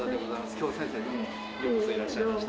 今日先生どうもようこそいらっしゃいました。